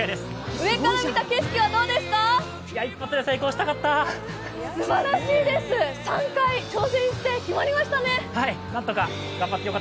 上から見た景色はどうですか？